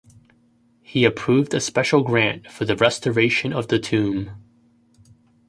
He approved a special grant for the restoration of the tomb.